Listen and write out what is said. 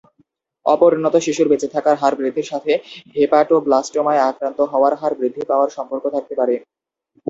অপরিণত শিশুর বেঁচে থাকার হার বৃদ্ধির সাথে হেপাটোব্লাস্টোমায় আক্রান্ত হওয়ার হার বৃদ্ধি পাওয়ার সম্পর্ক থাকতে পারে।